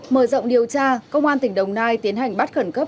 mở rộng điều tra công an tỉnh đồng nai tiến hành bắt khẩn cấp